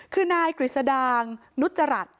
คือนายกฤษดางนุจจรัส